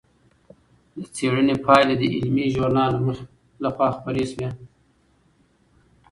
د څېړنې پایلې د علمي ژورنال لخوا خپرې شوې.